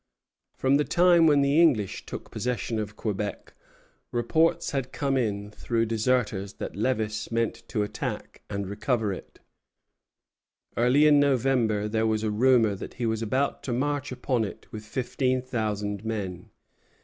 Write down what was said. From the time when the English took possession of Quebec, reports had come in through deserters that Lévis meant to attack and recover it. Early in November there was a rumor that he was about to march upon it with fifteen thousand men.